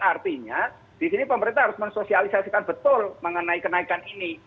artinya di sini pemerintah harus mensosialisasikan betul mengenai kenaikan ini